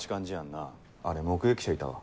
なあれ目撃者いたわ。